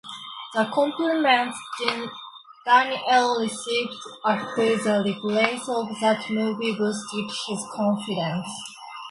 The compliments Daniel received after the release of that movie boosted his confidence.